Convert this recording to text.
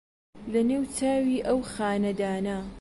لە نێو چاوی ئەو خانەدانە